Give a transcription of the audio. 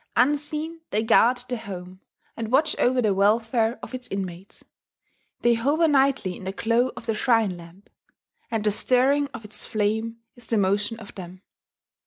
Unseen they guard the home, and watch over the welfare of its inmates: they hover nightly in the glow of the shrine lamp; and the stirring of its flame is the motion of them.